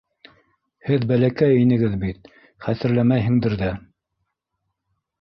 Һеҙ бәләкәй инегеҙ бит, хәтерләмәйһеңдер ҙә.